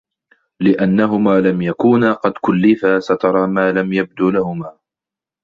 لِأَنَّهُمَا لَمْ يَكُونَا قَدْ كُلِّفَا سَتْرَ مَا لَمْ يَبْدُ لَهُمَا